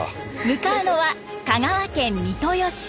向かうのは香川県三豊市。